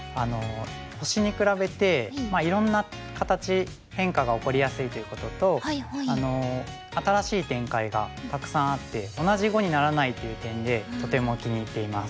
星に比べていろんな形変化が起こりやすいということと新しい展開がたくさんあって同じ碁にならないという点でとても気に入っています。